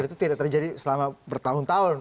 itu tidak terjadi selama bertahun tahun